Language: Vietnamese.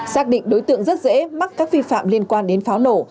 xác định đối tượng rất dễ mắc các vi phạm liên quan đến pháo nổ